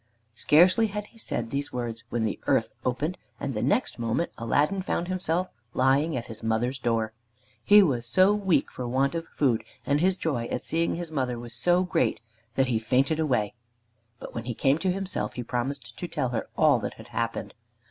Scarcely had he said these words when the earth opened, and the next moment Aladdin found himself lying at his mother's door. He was so weak for want of food, and his joy at seeing his mother was so great, that he fainted away, but when he came to himself he promised to tell her all that had happened.